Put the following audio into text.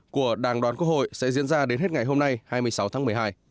của đảng đoàn quốc hội sẽ diễn ra đến hết ngày hôm nay hai mươi sáu tháng một mươi hai